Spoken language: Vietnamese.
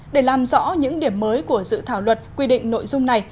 để làm rõ những điểm mới của dự thảo luật quy định nội dung này